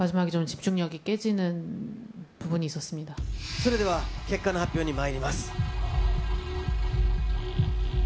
それでは結果の発表にまいります。